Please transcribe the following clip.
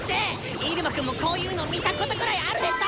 イルマくんもこういうの見たことくらいあるでしょ！